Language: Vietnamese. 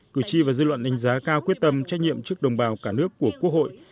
cử tri và dư luận đánh giá cao quyết tâm trách nhiệm trước đồng bào cả nước của quốc hội